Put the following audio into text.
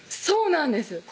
そうなんです